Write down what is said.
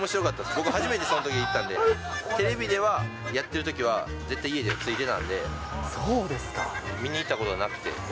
僕初めて行ったんで、テレビでは、やってるときは絶対家でついてたんで、見に行ったことなくて。